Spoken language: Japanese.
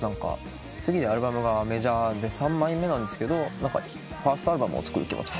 次でアルバムがメジャーで３枚目なんですがファーストアルバムを作る気持ちでというか。